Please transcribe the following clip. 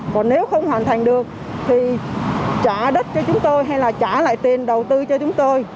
còn nếu không hoàn thành được thì trả đất cho chúng tôi hay là trả lại tiền đầu tư cho chúng tôi